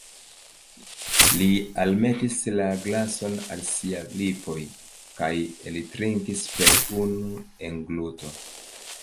Li almetis la glason al siaj lipoj, kaj eltrinkis per unu engluto.